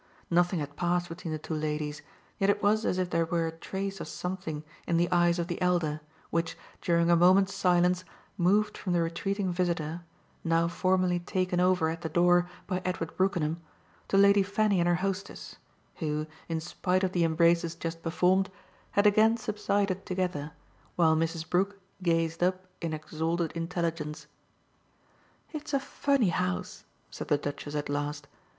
Nothing had passed between the two ladies, yet it was as if there were a trace of something in the eyes of the elder, which, during a moment's silence, moved from the retreating visitor, now formally taken over at the door by Edward Brookenham, to Lady Fanny and her hostess, who, in spite of the embraces just performed, had again subsided together while Mrs. Brook gazed up in exalted intelligence. "It's a funny house," said the Duchess at last.